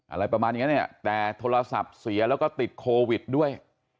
อะไรประมาณอย่างนั้นเนี่ยแต่โทรศัพท์เสียแล้วก็ติดโควิดด้วย